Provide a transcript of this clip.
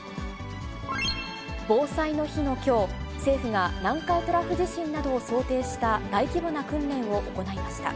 防災の日のきょう、政府が、南海トラフ地震などを想定した大規模な訓練を行いました。